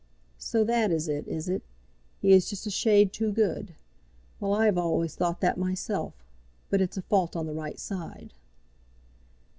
"So that is it, is it? He is just a shade too good. Well, I have always thought that myself. But it's a fault on the right side."